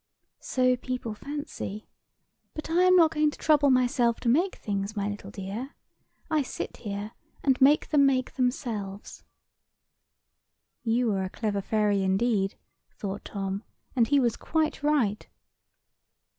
"So people fancy. But I am not going to trouble myself to make things, my little dear. I sit here and make them make themselves." "You are a clever fairy, indeed," thought Tom. And he was quite right.